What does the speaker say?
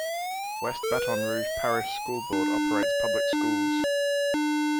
West Baton Rouge Parish School Board operates public schools.